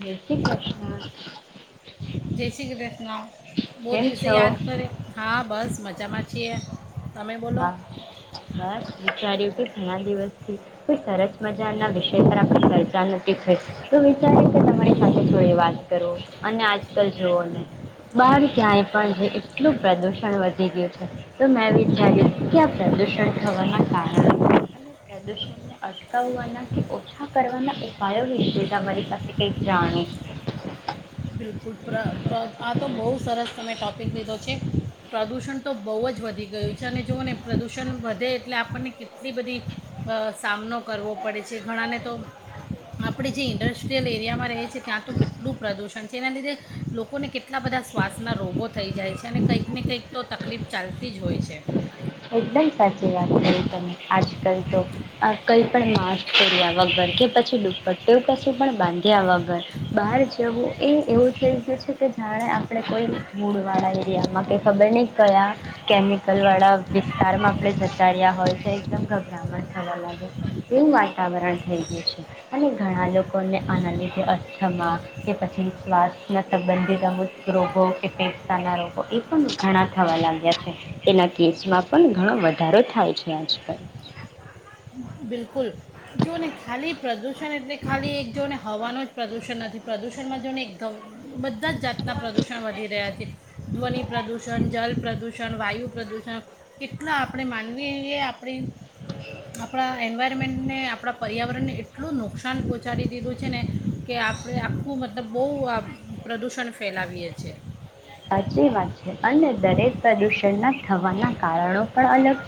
જય શ્રી કૃષ્ણ જય શ્રી કૃષ્ણ બહુ કેમ દિવસે છો યાદ કરે હા બસ મજા જમા છીએ. તમે બોલો હા બસ વિચાર્યું કે ઘણા દિવસથી કોઈ સરસ મજાના વિષય પર આપણે ચર્ચા ન શું વિચારી છે તમારી. સાથે થોડી વાત કરો અને આજકાલ જોઓ ને બહાર ક્યાંય પણ એટલું પ્રદુષણ વધી ગયું છે તો મે વિચા ચાર્યું કે આ પ્રદુષણ થવાના કારણો અને પ્રદુષણને અટકાવવાના કે ઓછા કરવાના ઉપાયો વિશે તમારી પાસે કઈક જાણું. બિલકુલ પ્ર પ્ર આ તો બહુ સરસ તમે ટૉપિક લીધો છે. પ્રદૂષણ તો બહુ જ વધી ગયું છે અને જુઓ ને પ્રદૂષણ વધે એટલે આપણને કેટલી બધી અ સામનો કરવો પડે છે ઘણાને તો આપણે જે ઇન્ડસ્ટ્રીયલ એરિયામાં રહે છે ત્યાં તો કેટલું પ્રદૂષણ. જેના લીધે લોકોને કેટલા બધા શ્વાસના રોગો થઈ જાય છે અને કંઈક ને કંઈક તો તકલીફ ચાલતી જ હોય છે. એકદમ સાચી વાત કરી તમે આજ કલ તો આ કઈ પણ મા કર્યા વગર કે પછી દુ પટ્ટું કશું પણ બાંધ્યા વગર બહાર જવું એ એવું થઈ ગયું છે કે જાણે આપણે કોઈ ધૂળવાળા એરિયામાં કે ખબર નહીં કયા કેમિકલવાળા વિસ્તારમાં આપણે જતા રહ્યા હોય તો એકદમ ગભરામણ થવા લાગે એવું વાતાવરણ થઈ ગયું છે અને ઘણા લોકોને આના લીધે અસ્થમા કે પછી શ્વાસના સંબંધિત સમસ્ત રોગો કે ફેફસાના રોગો એ પણ ઘણા થવા લાગ્યા છે એના કેસ માં પણ ઘણો વધારો થાય છે આજકાલ. બિલકુલ જો ને ખાલી પ્રદૂષણ એટલે ખાલી એક જો ને હવાનું જ પ્રદૂષણ નથી પ્રદૂષણમાં જો ને એકદમ બ બધા જ જાતના પ્રદૂષણ વધી રહ્યા છે. ધ્વનિ પ્રદૂષણ, જલ પ્રદૂષણ ષણ, વાયુ પ્રદૂષણ કેટલા આપણે માનવીએ આપડે આપણા એન્વાયરમેન્ટને આપણા પર્યાવરણને એટલું નુકસાન પહોંચાડી દીધું છે ને, કે આપણે આખું મતલબ બહુ આ પ્રદૂષણ ફેલાવીએ છીએ. સાચી વાત છે અને દરેક પ્રદૂષણના થવાના કારણો પણ અલગ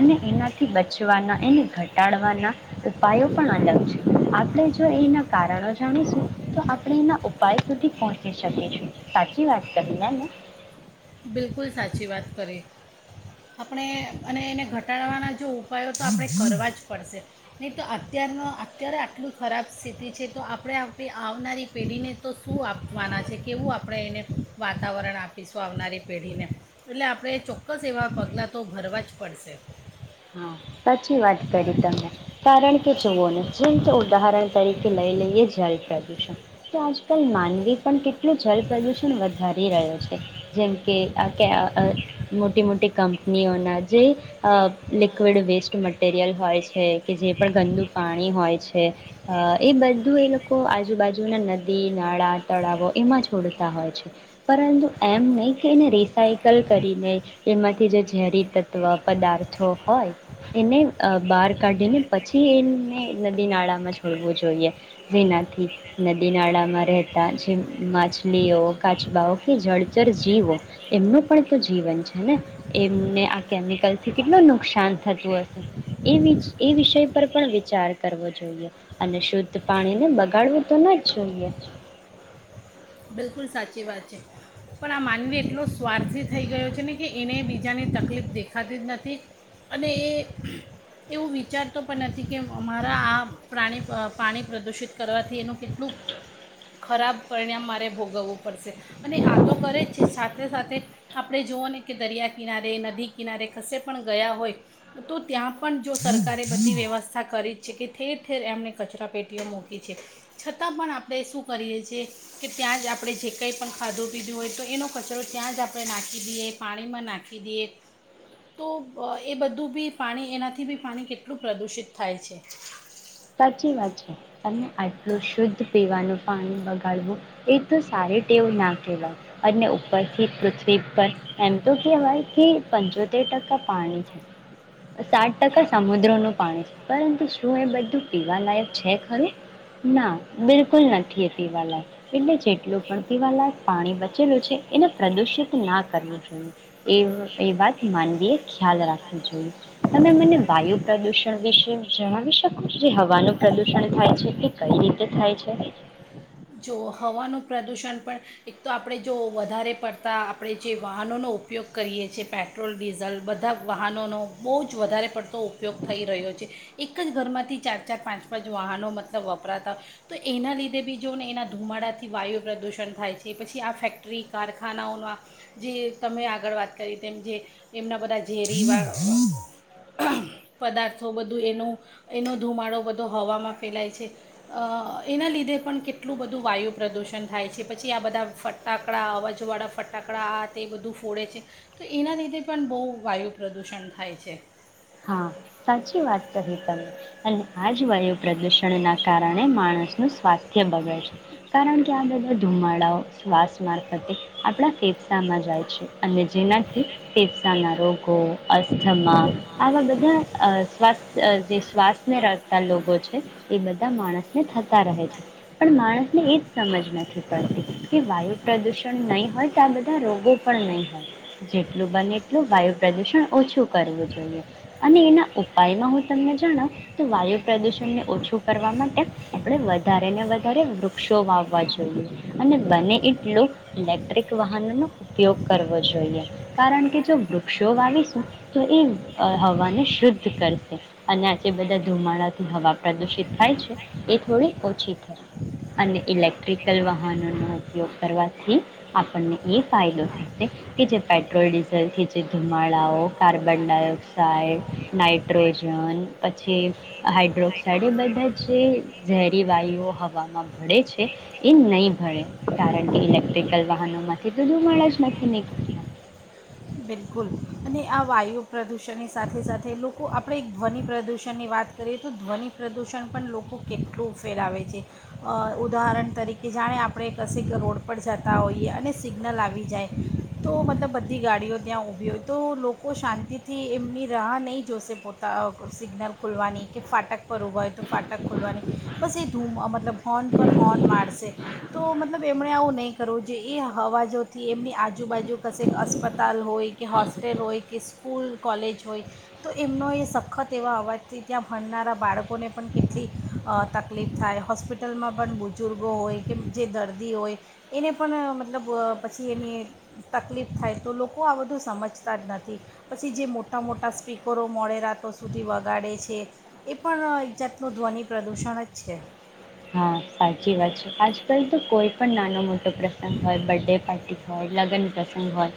અને એનાથી બચવાના એને ઘટાડ ના ઉપાયો પણ અલગ છે. આપડે જો એના કારણો જાણીશું તો આપણે એના ઉપાય સુધી પહોંચી શકીશું. સાચી વાત કરીને મૈ. બિલકુલ સાચી વાત કરી આપણે અને એને ઘટાડવાના જો ઉપાયો તો આપણે કરવા જ પડશે નહીં તો અત્યારનો અત્યારે આટલી ખરાબ સ્થિતિ છે તો આપણે આપણી આવનારી પેઢીને તો શું આપવાના છે. કેવું આપણે એને વાતાવરણ આપીશું. તો આવનારી પેઢીને એટલે આપણે ચોક્કસ એવા પગલાં તો ભરવા જ પડશે. સાચી વાત કરી તમે કારણ કે કે જુઓ ને જેમ કે ઉદાહરણ તરીકે લઈ લઈએ જલ પ્રદુષણ, તો આજકાલ માનવી પણ કેટલું જલ પ્રદુષણ વધારી રહ્યો છે. જેમ કે આ કે અ મોટી-મોટી કંપનીઓના જે અ લવિડ વેસ્ટ મટીરિયલ હોય છે. કે જે પણ ગંદુ પાણી હોય છે એ બધું એ લોકો આજુબાજુના નદી નાળા તળાવો એમાં છોડતા હોય છે. પરંતુ એમ નહીં કે એને રિસાયકલ કરીને એમાંથી જે ઝેરી તત્ત્વ પદાર્થો હોય એને બહાર કાઢીને પછી એને નદી નાળામાં છોડવું જોઈએ જેનાથી નદી નાળામાં રહેતા જે માછલીઓ કાચબાઓ કે જળચર જીવો એમનું પણ તો જીવન છે ને એમને આ કેમિકલથી કેટલો ન નુકસાન થતું હશે એ એ વિષય પર પણ વિચાર કરવો જોઈએ અને શુદ્ધ પાણીને બગાડવું તો ના જ જોઈએ. બિલકુલ સાચી વાત છે. પણ આ માનવી એટલો સ્વાર્થી થઈ ગયો છે ને કે એને બીજાને તકલીફ દેખાતી જ નથી અને એ એવું વિચારતો પણ નથી કે મારા આ પ્રાણી પાણી પ્રદૂષિત કરવાથી એનું કેટલું ખરાબ પરિણામ મારે ભોગવવું પડશે અને આ તો કરે જ છે. સાથે સાથે આપણે જોુઓ ને કે દરિયા કિનારે નદી કિનારે કશે પણ ગયા હોય તો ત્યાં પણ જો સરકારે બધી વ્યવસ્થા કરી જ છે કે ઠેર ઠેર એમણે કચરા પેટીઓ મૂકી છે છતાં પણ આપણે શું કરીએ છ છેએ કે ત્યાં જ આપણે જે કંઈ પણ ખાધું પીધું હોય તો એનો કચરો ત્યાં જ આપણે નાખી દઈએ પાણીમાં નાખી દઈએ તો એ બધું બી પાણી એનાથી બી પાણી કેટલું પ્રદૂષિત થાય છે. સાચી વાત છે. તને આટલું શુદ્ધ પીવાનું પાણી વગાડવું એ તો સારી ટેવ ના કહેવાય અને ઉપરથી પૃથ્વી પર એમ તો કેહેવાય કે પંચોતેર ટકા પાણી છે. સાત ટકા સમુદ્રનું પાણી છે. પરંતુ શું એ બધું? પીવાલાયક છે ખરું ના બિલકુલ નથી એ પીવાલાયક હવાનું એટલે જેટલું પણ પીવાલાયક પાણી બચેલું છે. એને પ્રદુષિત ના કરવું જોઈએ એ એ વાત નવી એ ખ્યાલ રાખવું જોઈએ તમે મને વાયુ પ્રદુષણ વિશે જણાવી શકો. જે હવાનું પ્રદુષણ થાય છે એ કઈ રીતે થાય છે. જો હવાનું પ્રદૂષણ પણ એક તો આપણે જો વધારે પડતા આપણે જે વાહનોનો ઉપયોગ કરીએ છીએ પેટ્રોલ ડીઝલ બધા વાહનોનો બહુ જ વધારે પડતો ઉપયોગ થઈ રહ્યો છે. એક જ ઘરમાંથી ચાર ચાર પાંચ પાંચ વાહનો મતલબ વપરાતા હોય તો એના લીધે બી જોને એના ધુમાડાથી વાયુ પ્રદૂષણ થાય છે પછી આ ફેક્ટરી કારખાનાઓમાં જે તમે આગળ વાત કરી તેમ જે એમના બધા ઝેરી અહ્હ પદાર્થો બધું એનું એનો ધુમાડો બધો હવામાં ફેલાય છે. ‍અ એના લીધે પણ કેટ એટલું બધું વાયુ પ્રદૂષણ થાય છે. પછી આ બધા ફટાકડા અવાજવાળા ફટાકડા આ તે બધું ફોડે છે. તો એના લીધે પણ બહુ વાયુ પ્રદૂષણ થાય છે. ત અને આ જ વાયુ પ્રદુષણ ના કારણે માણસ નું સ્વાસ્થ્ય એ બગડે છે. કારણ કે આ બધું ધુમાડાઓ શ્વાસ મારફતે આપણા ફેફસામાં જાય છે. અને જેનાથી ફેફસાના રોગો અસ્થમા. આવા બધા શવાસ્થ જે શ્વાસને લખતા લોગો છે. એ બધા માણસને થતા રહે છે. પણ માણસને એ જ સમજ નથી પડતી કે વાયુ પ્રદૂષણ નહીં હોય તો આ બધા રોગો પણ નહીં હોય જેટલું બને એટલું વાયુ પ્રદૂષણ ઓછું કરવું જોઈએ. અને એના ઉપાયમાં હું તમને જાણાવ તો વાયુ પ્રદુષણને ઓછું કરવા માટે આપણે વધારે ને વધારે વૃક્ષો વાવવા જોઈએ અને બને એટલો ઇલેક્ટ્રિક વાહનોનો ઉપયોગ કરવો જોઈએ કારણ કે જો વૃક્ષો વાવીશું તો એ અ હવાને શુદ્ધ કરશે અને આ જે બધા ધુમાડાથી હવા પ્રદૂષિત થાય છે. એ થોડી ઓછી થશે અને ઇલેક્ટ્રિકલ વાહનોનો ઉપયોગ કરવાથી આપણને એ ફાયદો થશે કે જે પેટ્રોલ ડીઝલથી જે ધુમાડાઓ કાર્બન ડાયોક્સ ઓક્સાઇડ, નાઇટ્રોજન પછી હાઇડ્રોક્સાઇડ એ બધા જે ઝેરી વાયુઓ હવામાં ભળે છે. એ નહીં ભળે કારણ કે ઇલેક્ટ્રિકલ વાહનોમાંથી તો ધુમાડા જ નથી નીકળતા. બિલકુલ અને આ વાયુ પ્રદૂષણની સાથે સાથે લોકો આપણે ધ્વનિ પ્રદૂષણની વાત કરીએ તો ધ્વનિ પ્રદૂષણ પણ લોકો કેટલું ફેરાવે છે. અ ઉદાહરણ તરીકે જાણે આપણે કશે રોડ પર જતા હોઈએ અને સિગ્નલ આવી જાય તો મતલબ બધી ગાડીઓ ત્યાં ઊભી હોય તો લોકો શાંતિથી એમની રાહ નહીં જોશે પોતા સિગ્નલ ખોલવાની કે ફાટક પર ઊભા હોય તો ફાટક ખોલવાની બસ એ ધૂમ મતલબ હોર્ન પર હોર્ન મારશે તો મતલબ એમણે આવું નહીં કરવું જે એ હવાજથી એમની આજુબાજુ કશે અસ્પતાલ હોય કે હોસ્ટેલ હોય કે સ્કૂલ કોલેજ હોય તો એમનો એ સખત એવા અવાજથી ત્યાં ભણનારા બાળકોને પણ કેટલી અ તકલીફ થાય હોસ્પિટલમાં પણ બુજુર્ગો હોય કે જે દર્દી હોય એને પણ મતલબ પછી એની તકલીફ થાય તો લોકો તો આ બધું સમજતા જ નથી પછી જે મોટા મોટા સ્પીકરો મોડે રાતો સુધી વગાડે છે. એ પણ એક જાતનું ધ્વનિ પ્રદૂષણ જ છે. હા સાચી વાત છે આજ કલ તો કોઈ પણ પણ નાનો મોટો પ્રસંગ હોય બર્થડે પાર્ટી હોય. લગ્ન પ્રસંગ હોય.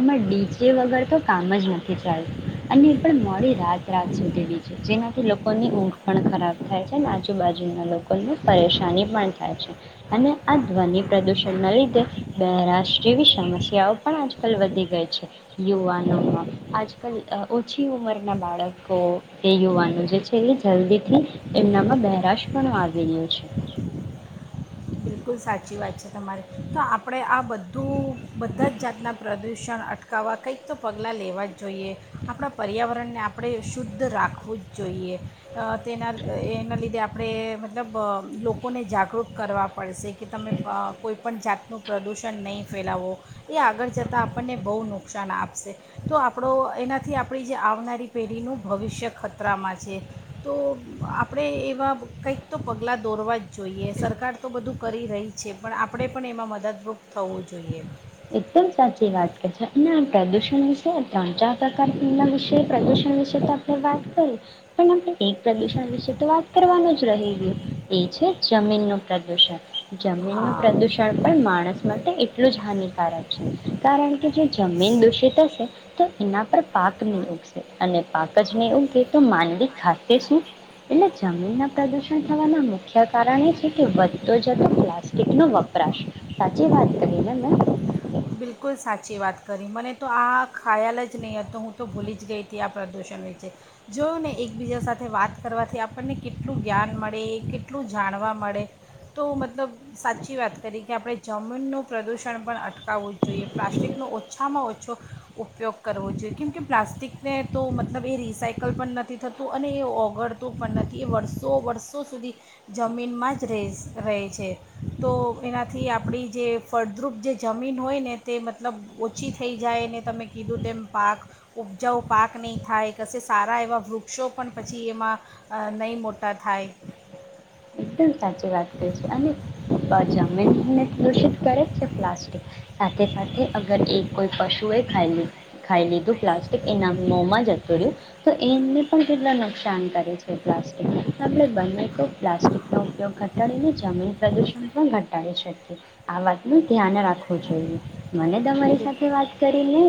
એમાં ડીજે વગર તો કામ જ નથી ચાલું અને પણ મો મોડી રાત રાત સુધી ડીજે જેનાથી લોકોની ઊંઘ પણ ખરાબ થાય છે. આજુબાજુના લો લોકોને પરેશાની પણ થાય છે. અને આ ધ્વનિ પ્રદૂષણના લીધે બહેરાશ જેવી સમસ્યાઓ પણ આજકાલ વધી ગઈ છે. યુવાનોમાં આજકાલ અ ઓછી ઉંમરના બાળકો કે યુવાનો જે છે. એ જલ્દીથી એમનામાં બહેરાશ પણ આવે. [unintelligible] બિલકુલ સાચી વાત છે. તમારે તો આપણે આ બધું બધા જ જાતનાં પ્રદૂષણ અટકાવવા કંઈક તો પગલાં લેવા જ જોઈએ આપણા પર્યાવરણને આપણે શુદ્ધ રાખવું જ જોઈએ અ‌ તેના એના લીધે આપણે મતલબ અ લોકોને જાગૃત કરવા. પડશે કે તમે કોઈપણ જાતનું પ્રદૂષણ નહીં ફેલાવો એ આગળ જતાં આપણને બહુ નુકસાન આપશે તો આપણો એનાથી આપણી જે આવનારી પેઢીનું ભવિષ્ય ખતરામાં છે. તો આપણે એવા કંઈક તો પગલાં દોરવા જ જોઈએ સરકાર તો બધું કરી રહી છે. પણ આપણે પણ એમાં મદદરૂપ થવું જોઈએ. એકદમ સાચી વાત કે અને આ પ્રદુષણ વિશે ત્રણ ચાર પ્રકારના વિશે પ્રદુષણ વિશે તો આપણે વાત કરી પણ આપણે એક પ્રદૂષણ વિશે તો વાત કરવાનું જ રહી ગયું એ છે જમીનનું પ્રદુષણ હા જમીનનું પ્રદૂષણ પણ માણસ માટે [unintelligible] [unintelligible] કારણ કે જો જમીન દૂષિત હશે તો એના પર પાક નહી ઉગશે અને પાક જ નહી ઉગે તો માંનડવી ખાશે શું? એટલે જમીન ના પ્રદુષણ થવાના મુખ્ય કારણ એ છે કે વધતો જતો પ્લાસ્ટિક નો વપરાશ સાચી વાત કરી ને. બિલકુલ સાચી વાત. કરી મને તો આ ખ્યાલ જ નહીં હતો હું તો ભૂલી જ ગઈ હતી આ પ્રદૂષણ વિચે જોયું ને એકબીજા સાથે વાત કરવાથી આપણને કેટલું જ્ઞાન મળે એ કેટલું જાણવા મળે તો મતલબ સાચી વાત કરી કે આપણે જમીનનું પ્રદૂષણ પણ અટ કાવવું જોઈએ પ્લાસ્ટિકનો ઓછામાં ઓછો ઉપયોગ કરવો જોઈએ કેમ કે પ્લાસ્ટિકને તો મતલબ એ રિસાયકલ પણ નથી થતું અને એ ઓગળતું પણ નથી એ વર્ષો વર્ષો સુધી જમીનમાં જ રેસ રહે છે. તો એનાથી આપણી જે ફળદ્રુપ જે જમીન હોય ને તે મતલબ ઓછી થઈ જાય ને તમે કીધું તેમ પાક ઉપજાઓ પાક નહીં થાય કશે સારા એવાં વૃક્ષો પણ પછી એમાં અ નહીં મોટા થાય. એકદમ સાચી વાત કરી છે અને જમીનને પ્રદુષિત કરે છે પ્લાસ્ટિક સાથે સાથે અગર એ કોઈ પશુ એ ખાય લે. ખાઈ લીધું પ્લાસ્ટિક એના મોમાં જતું રયુ તો એમને પણ કેટલા નુકસાન કરે છે પ્લાસ્ટિક આપડે બને તો પ્લાસ્ટિક ઉપયોગ ઘટાડીને જમીન પ્રદુષણ પણ ઘટાડી શકીએ આ વાતનું ધ્યાન રાખવું જોઈએ. મને તમારી સાથે વાત કરી ને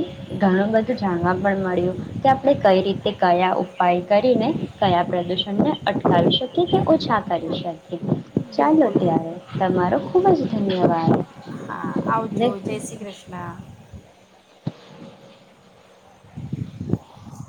ઘણું બધું જાણવા પણ મળ્યું કે આપણે કઈ રીતે કયા ઉપાય કરીને કયા પ્રદૂષણને અટકાવી શકીએ કે ઓછા કરી શકીએ. ચાલો બિલકુલ ત્યારે તમારો ખુબ જ ધન્યવાદ. હા આવજો જય શ્રી કૃષ્ણ.